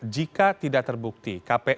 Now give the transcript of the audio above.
jika tidak terbukti kpu harus melaporkan balik